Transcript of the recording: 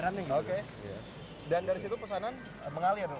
running dan dari situ pesanan mengalir